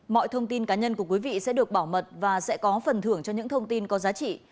mọi thông tin cá nhân của quý vị sẽ được bảo mật và sẽ có phần thưởng cho những thông tin có giá trị